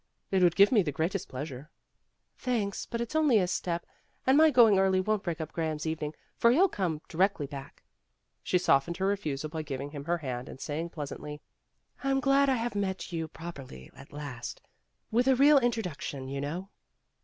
"It would give me the greatest pleasure." "Thanks, but it's only a step, and my going early won't break up Graham's evening, for he'll come directly back." She softened her refusal by giving him her hand and saying pleasantly, "I'm glad to have met you prop erly at last, with a real introduction, you know.